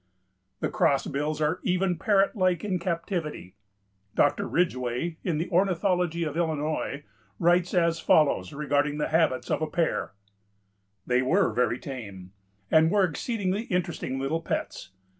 The Crossbills are even parrot like in captivity. Dr. Ridgway, in the "Ornithology of Illinois," writes as follows regarding the habits of a pair: "They were very tame, and were exceedingly interesting little pets.